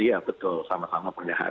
iya betul sama sama penyahat